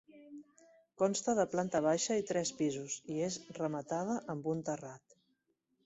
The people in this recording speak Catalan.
Consta de planta baixa i tres pisos i és rematada amb un terrat.